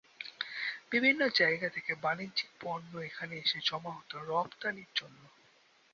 বিভিন্ন জায়গা থেকে বাণিজ্যিক পণ্য এখানে এসে জমা হতো রপ্তানির জন্য।